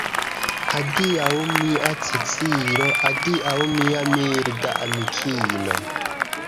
Adiaŭ, mia Cecilo, adiaŭ mia milda amikino.